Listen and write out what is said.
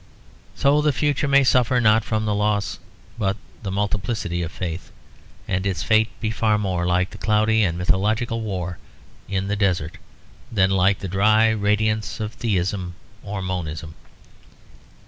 So the future may suffer not from the loss but the multiplicity of faith; and its fate be far more like the cloudy and mythological war in the desert than like the dry radiance of theism or monism.